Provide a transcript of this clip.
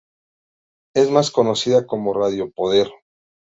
Es más conocida como Radio Poder.